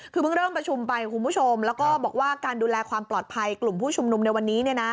คือเพิ่งเริ่มประชุมไปคุณผู้ชมแล้วก็บอกว่าการดูแลความปลอดภัยกลุ่มผู้ชุมนุมในวันนี้